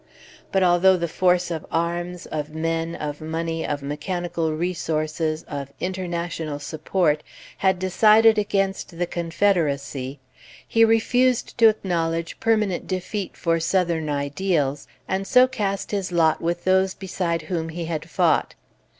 But although the force of arms, of men, of money, of mechanical resources, of international support, had decided against the Confederacy, he refused to acknowledge permanent defeat for Southern ideals, and so cast his lot with those beside whom he had fought.